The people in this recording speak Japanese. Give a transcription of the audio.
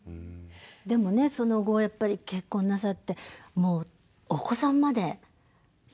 でもねその後やっぱり結婚なさってお子さんまで出産なさった。